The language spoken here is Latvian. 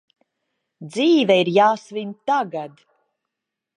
Dzīve ir jāsvin tagad!